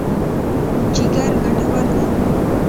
جګر ګټور دی.